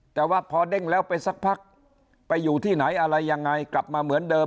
แต่ว่าพอเด้งแล้วไปสักพักไปอยู่ที่ไหนอะไรยังไงกลับมาเหมือนเดิม